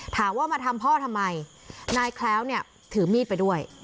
ถามว่ามาทำพ่อทำไมนายแคล้วเนี่ยถือมีดไปด้วย